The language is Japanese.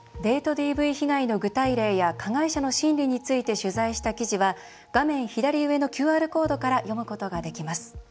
ＤＶ被害の具体例や加害者の心理について取材した記事は画面左上のＱＲコードから読むことができます。